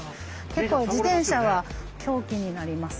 結構自転車は凶器になります。